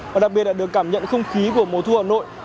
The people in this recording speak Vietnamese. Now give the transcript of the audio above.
và đặc biệt là được cảm nhận không khí của mùa thu hà nội